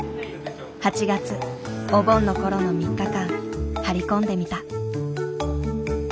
８月お盆の頃の３日間張り込んでみた。